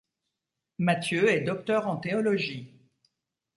Matthieu est docteur en théologie.